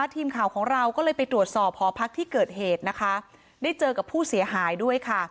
ทีมข่าวของเราก็เลยไปตรวจสอบหอพักที่เกิดเหตุนะคะได้เจอกับผู้เสียหายด้วยค่ะ